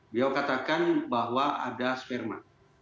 beliau katakan bahwa ada sperma